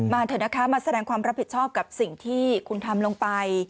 เถอะนะคะมาแสดงความรับผิดชอบกับสิ่งที่คุณทำลงไป